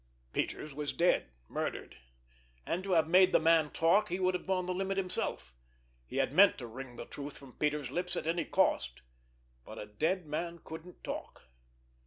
Peters was dead, murdered—and to have made the man talk he would have gone the limit himself. He had meant to wring the truth from Peters' lips at any cost. But a dead man couldn't talk!